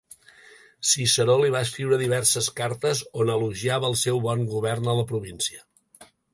Ciceró li va escriure diverses cartes on elogiava el seu bon govern a la província.